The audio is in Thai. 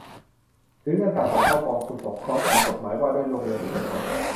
หรือเงินสะสมเข้ากองทุนสงเคราะห์ตามกฎหมายว่าด้วยโรงเรียนเอกชน